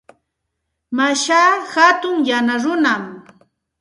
Mashaa hatun yana runam.